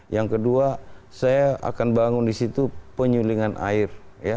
yang kedua saya akan bangun di situ penyulingan air